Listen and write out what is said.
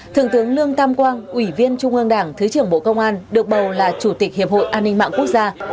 thượng tướng lương tam quang ủy viên trung ương đảng thứ trưởng bộ công an được bầu là chủ tịch hiệp hội an ninh mạng quốc gia